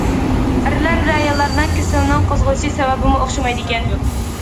ئەرلەر بىلەن ئاياللارنىڭ كېسىلىنىڭ قوزغىلىش سەۋەبىمۇ ئوخشىمايدىكەن.